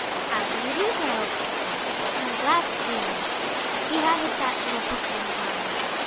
"How do you do, Harold?" she said; "I am glad to see you." He had his satchel of books on his arm.